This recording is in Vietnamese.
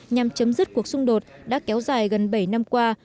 nhằm chấm dứt cuộc xung đột đã kéo dài gần bảy năm qua